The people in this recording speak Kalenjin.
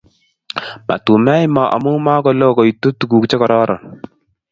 Matumein moo amu maku loo kuitu tuguk che kororon